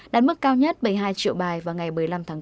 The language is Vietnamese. đạt mức cao nhất bảy mươi hai triệu bài vào ngày một mươi năm tháng bốn